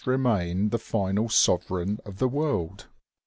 221 main the final sovereign of the world.